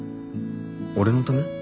俺のため？